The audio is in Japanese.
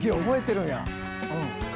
覚えてるんや。